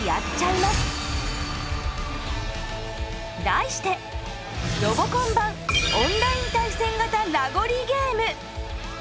題してロボコン版オンライン対戦型ラゴリゲーム！